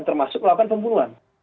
termasuk melakukan pembunuhan